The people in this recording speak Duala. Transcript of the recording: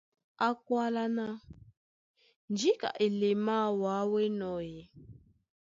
Á kwálá ná :Njíka elemáā wǎ ó enɔ́ ē?